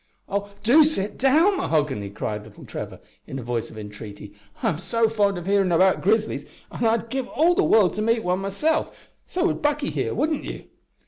"Oh! do sit down, Mahoghany," cried little Trevor, in a voice of entreaty; "I'm so fond of hearin' about grizzlies, an' I'd give all the world to meet one myself, so would Buckie here, wouldn't you?"